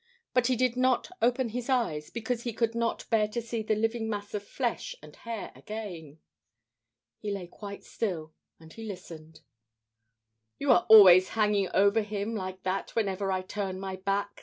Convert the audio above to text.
But he did not open his eyes, because he could not bear to see the living mass of flesh and hair again. He lay quite still. And he listened. "You are always hanging over him like that whenever I turn my back!"